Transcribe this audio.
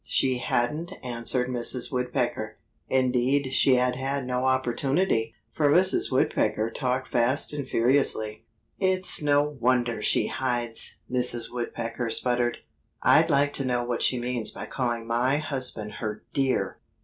She hadn't answered Mrs. Woodpecker. Indeed she had had no opportunity; for Mrs. Woodpecker talked fast and furiously. "It's no wonder she hides!" Mrs. Woodpecker spluttered. "I'd like to know what she means by calling my husband her 'dear!